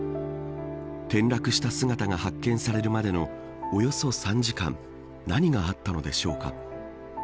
転落した姿が発見されるまでのおよそ３時間何があったのでしょうか。